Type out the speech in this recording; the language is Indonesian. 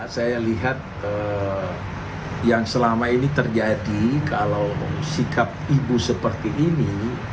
saya lihat yang selama ini terjadi kalau sikap ibu seperti ini